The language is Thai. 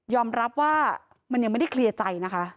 รับว่ามันยังไม่ได้เคลียร์ใจนะคะ